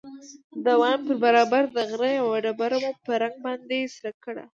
د ماين پر برابر د غره يوه ډبره مو په رنگ باندې سره کړه.